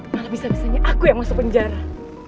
malah bisa bisanya aku yang masuk penjara